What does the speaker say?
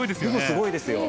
すごいですよ。